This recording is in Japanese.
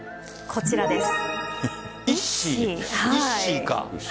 こちらです。